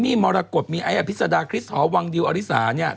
มีมรกฏมีไอ้อภิษฎาคริสหอวังดิวอริสา